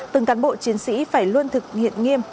từng cán bộ chiến sĩ phải luôn thực hiện nghiêm